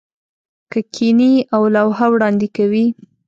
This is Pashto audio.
هغه کښېني او لوحه وړاندې کوي.